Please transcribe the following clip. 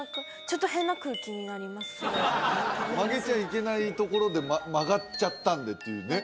そうで曲げちゃいけないところで曲がっちゃったんでっていうね